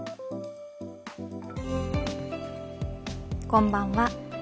こんばんは。